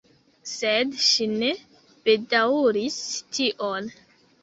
Sed ŝi ne bedaŭris tion.